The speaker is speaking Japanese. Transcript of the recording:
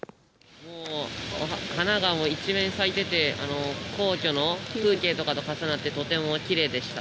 花が一面咲いてて、皇居の風景とかと重なって、とてもきれいでした。